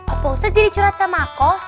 opa ustadz jadi curhat sama aku